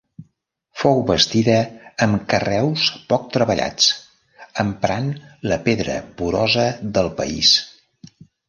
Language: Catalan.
Fou bastida amb carreus poc treballats, emprant la pedra porosa del país.